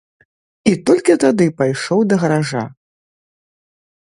І толькі тады пайшоў да гаража.